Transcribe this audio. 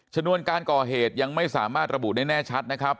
ชนวนการก่อเหตุยังไม่สามารถระบุได้แน่ชัดนะครับ